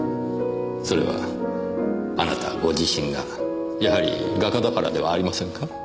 それはあなたご自身がやはり画家だからではありませんか？